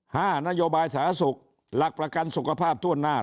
ห้านโยบายสหสุขหลักประกันสุขภาพทั่วหน้า